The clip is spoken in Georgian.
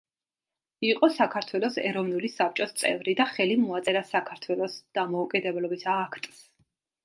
იყო საქართველოს ეროვნული საბჭოს წევრი და ხელი მოაწერა საქართველოს დამოუკიდებლობის აქტს.